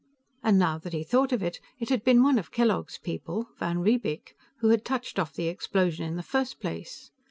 And, now that he thought of it, it had been one of Kellogg's people, van Riebeek, who had touched off the explosion in the first place.